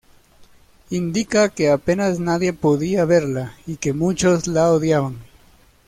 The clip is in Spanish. Indica que apenas nadie podía verla y que muchos la odiaban.